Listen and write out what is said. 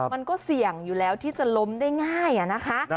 มันก็เสี่ยงอยู่แล้วที่จะล้มได้ง่ายนะคะ